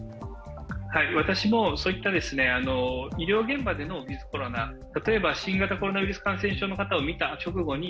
私もそういった医療現場でのウィズ・コロナ、例えば新型コロナウイルス感染症の方を診たあとに